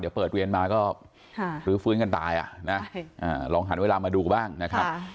เดี๋ยวเปิดเรียนมาก็รื้อฟื้นกันตายลองหันเวลามาดูบ้างนะครับ